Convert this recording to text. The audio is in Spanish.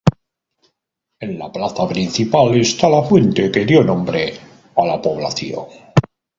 En la plaza principal está la fuente que dio nombre a la población.